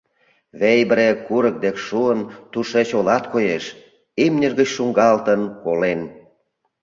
Вейбре курык дек шуын, тушеч олат коеш, имньыж гыч шуҥгалтын, колен.